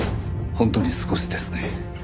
本当に少しですね。